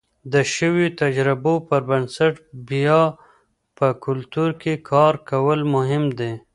د شویو تجربو پر بنسټ بیا په کلتور کې کار کول مهم دي.